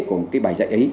của một cái bài dạy ấy